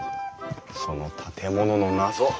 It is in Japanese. その建物の謎